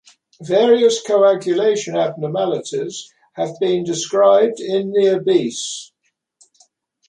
Various coagulation abnormalities have been described in the obese.